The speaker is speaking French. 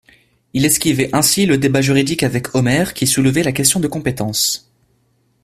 Il esquivait ainsi le débat juridique avec Omer qui soulevait la question de compétence.